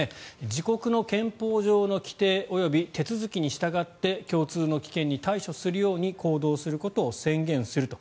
自国の憲法上の規定及び手続きに従って共通の危険に対処するように行動することを宣言する。